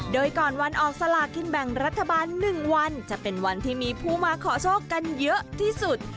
โดยก่อนวันออกสลากินแบ่งรัฐบาล๑วันจะเป็นวันที่มีผู้มาขอโชคกันเยอะที่สุด